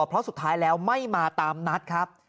เพราะสุดท้ายแล้วไม่มาตามนัดครับ